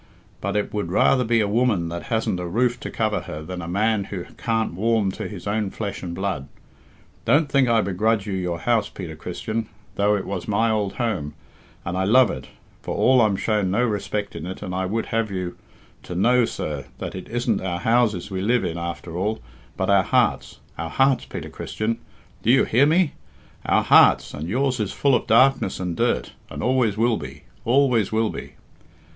But I would rather be a woman that hasn't a roof to cover her than a man that can't warm to his own flesh and blood. Don't think I begrudge you your house, Peter Christian, though it was my old home, and I love it, for all I'm shown no respect in it I would have you to know, sir, that it isn't our houses we live in after all, but our hearts our hearts, Peter Christian do you hear me? our hearts, and yours is full of darkness and dirt and always will be, always will be."